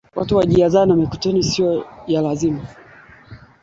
serikali inatakiwa kuyalipa makampuni ya mafuta